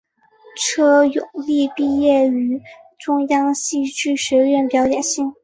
车永莉毕业于中央戏剧学院表演系。